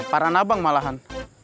parah abang malahan